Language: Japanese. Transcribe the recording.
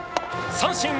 三振！